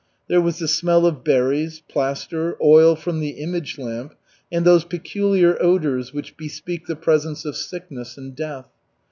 There was the smell of berries, plaster, oil from the image lamp, and those peculiar odors which bespeak the presence of sickness and death.